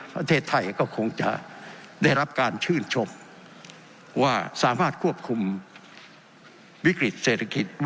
ประเทศไทยก็คงจะได้รับการชื่นชมว่าสามารถควบคุมวิกฤตเศรษฐกิจ